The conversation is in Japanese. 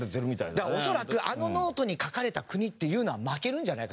だから恐らくあのノートに書かれた国っていうのは負けるんじゃないかと。